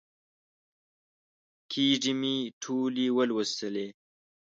کېږې مې ټولې ولوسلې.